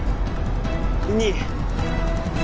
２。